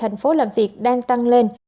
số làm việc đang tăng lên